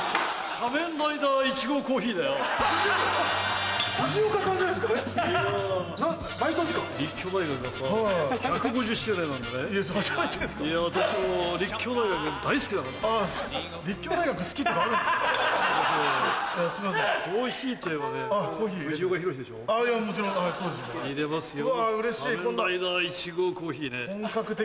仮面ライダー１号コーヒーね。